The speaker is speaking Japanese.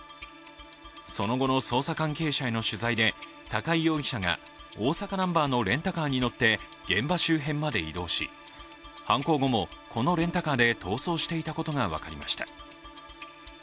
その後の捜査関係者への取材で、高井容疑者が大阪ナンバーのレンタカーに乗って現場周辺まで移動し、犯行後もこのレンタカーで逃走していたことが分かりました。